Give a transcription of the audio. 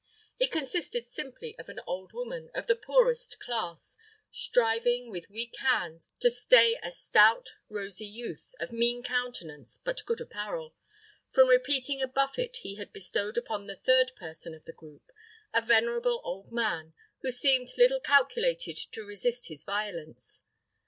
It consisted simply of an old woman, of the poorest class, striving, with weak hands, to stay a stout, rosy youth, of mean countenance but good apparel, from repeating a buffet he had bestowed upon the third person of the group, a venerable old man, who seemed little calculated to resist his violence.